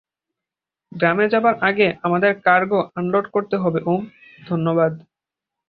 গ্রামে যাবার আগে আমাদের কার্গো আনলোড করতে হবে উম, ধন্যবাদ।